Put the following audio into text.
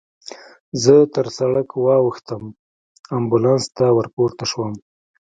زه تر سړک واوښتم، امبولانس ته ورپورته شوم.